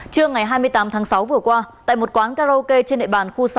trưa ngày hai mươi tám tháng sáu vừa qua tại một quán karaoke trên địa bàn khu sáu